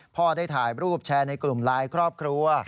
พ่อได้ถ่ายรูปแชร์ในกลุ่มไลน์ครอบครัว